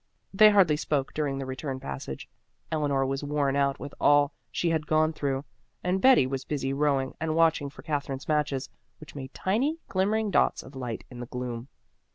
They hardly spoke during the return passage; Eleanor was worn out with all she had gone through, and Betty was busy rowing and watching for Katherine's matches, which made tiny, glimmering dots of light in the gloom.